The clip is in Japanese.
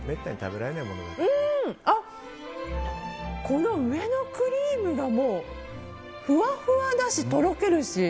この上のクリームがふわふわだし、とろけるし。